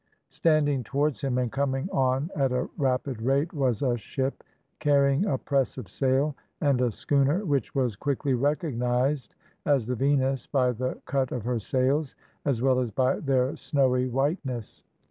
Standing towards him and coming on at a rapid rate was a ship carrying a press of sail, and a schooner which was quickly recognised as the Venus, by the cut of her sails, as well as by their snowy whiteness.